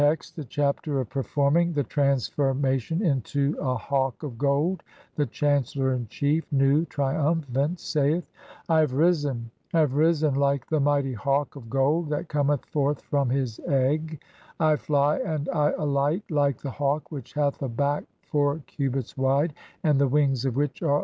Text : (1) The Chapter of performing the transforma tion INTO A HAWK OF GOLD. The chancellor in chief, Nu, triumphant, saith :— (2) "I have risen, I have risen like the mighty hawk [of gold] "that cometh forth from his egg ; I fly (3) and I alight like the "hawk which hath a back four cubits wide, and the wings of "which are like unto the mother of emerald of the south.